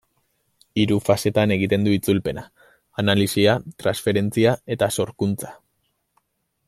Hiru fasetan egiten du itzulpena: analisia, transferentzia eta sorkuntza.